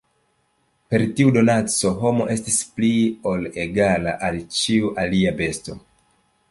Per tiu donaco, homo estis pli ol egala al ĉiu alia besto.